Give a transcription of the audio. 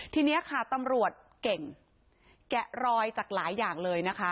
ทีนี้ค่ะตำรวจเก่งแกะรอยจากหลายอย่างเลยนะคะ